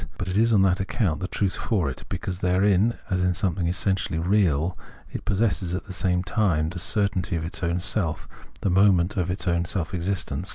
But it is on that accotmt the truth for it, because therein, as in something essentially real, it possesses at the same time the certainty of its own self, the moment of its own self existence.